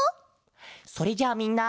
それじゃあみんな。